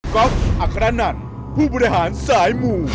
ก็อักษณะผู้บริหารสายหมู